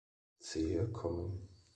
Zehe kommen.